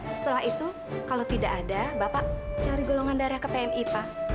setelah itu kalau tidak ada bapak cari golongan darah ke pmi pak